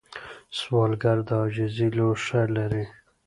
سوالګر د عاجزۍ لوښه لري